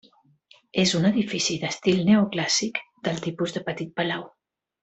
És un edifici d'estil neoclàssic del tipus de petit palau.